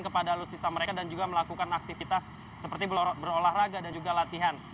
kepada alutsisa mereka dan juga melakukan aktivitas seperti berolahraga dan juga latihan